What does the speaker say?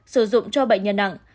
sử dụng cho bệnh nhân nặng